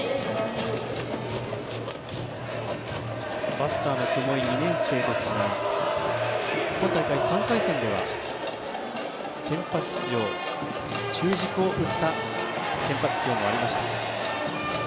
バッターの雲井、２年生ですが今大会、３回戦では中軸を打った先発出場もありました。